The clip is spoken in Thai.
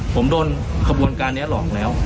ผมโดนขบวนการนี้หลอกแล้ว